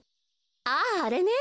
あああれね。